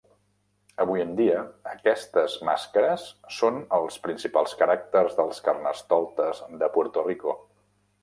Avui en dia aquestes màscares són els principals caràcters dels carnestoltes de Puerto Rico.